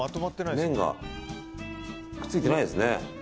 麺がくっついてないですね。